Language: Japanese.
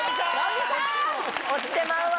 落ちてまうわ。